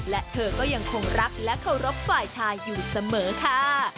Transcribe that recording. และเธอก็ยังคงรักและเคารพฝ่ายชายอยู่เสมอค่ะ